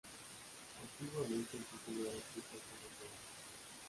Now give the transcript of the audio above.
Antiguamente el título era escrito como Tovar.